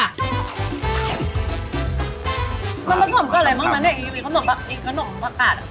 มันประสบกับอะไรบ้างนั้นเนี่ยอีกขนมปากกาด